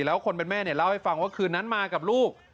แล้วคนเป็นแม่เนี่ยเล่าให้ฟังว่าคืนนั้นมากับลูก